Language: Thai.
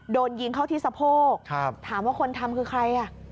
โดนยิงเข้าที่สะโพกถามว่าคนทำคือใครอ่ะ